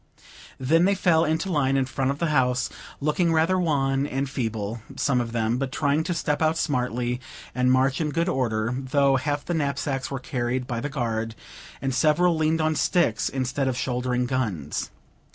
Then they fell into line in front of the house, looking rather wan and feeble, some of them, but trying to step out smartly and march in good order, though half the knapsacks were carried by the guard, and several leaned on sticks instead of shouldering guns.